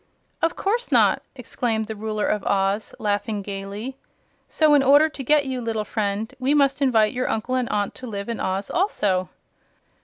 "Of course not," exclaimed the Ruler of Oz, laughing gaily. "So, in order to get you, little friend, we must invite your Uncle and Aunt to live in Oz, also."